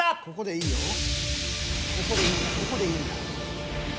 ここでいいんだ。